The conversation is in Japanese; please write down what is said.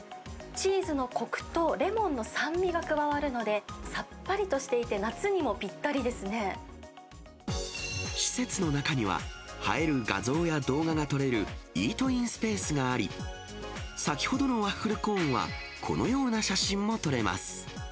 チーズのこくとレモンの酸味が加わるので、さっぱりとしていて、施設の中には、映える画像や動画が撮れるイートインスペースがあり、先ほどのワッフルコーンは、このような写真も撮れます。